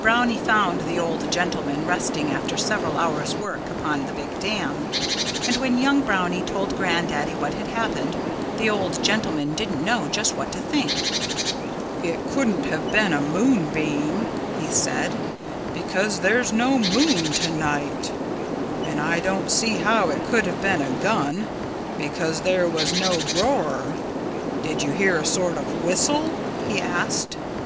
Brownie found the old gentleman resting after several hours' work upon the big dam. And when young Brownie told Grandaddy what had happened, the old gentleman didn't know just what to think. "It couldn't have been a moonbeam," he said, "because there's no moon to night. And I don't see how it could have been a gun, because there was no roar.... Did you hear a sort of whistle?" he asked.